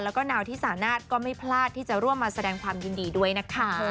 แล้วก็นาวที่สานาทก็ไม่พลาดที่จะร่วมมาแสดงความยินดีด้วยนะคะ